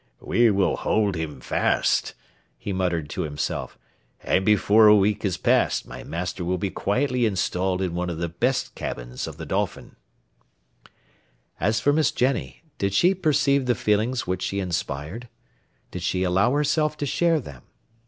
"We will hold him fast!" he muttered to himself, "and before a week has passed my master will be quietly installed in one of the best cabins of the Dolphin." As for Miss Jenny, did she perceive the feelings which she inspired? Did she allow herself to share them?